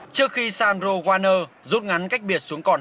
trước khi sandro warner rút ngắn cách biệt xuống cò